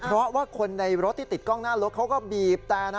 เพราะว่าคนในรถที่ติดกล้องหน้ารถเขาก็บีบแต่นะ